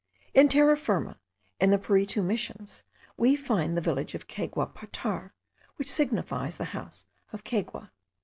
In Terra Firma, in the Piritu Missions, we find the village of Cayguapatar, which signifies house of Caygua.)